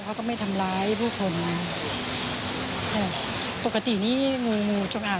เขาก็ไม่ทำร้ายผู้คนไงค่ะปกตินี้งูงูจงอาง